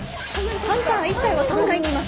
ハンター１体は３階にいます。